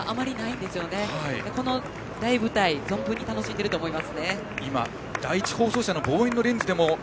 だからこの大舞台を存分に楽しんでいると思います。